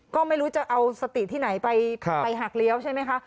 ก็ไม่รู้จะเอาสติที่ไหนไปหักเลี้ยวใช่ไหมคะ